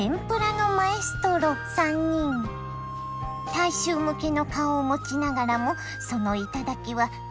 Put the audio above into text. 大衆向けの顔を持ちながらもその頂は雲の上。